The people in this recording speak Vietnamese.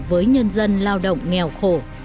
với nhân dân lao động nghèo khổ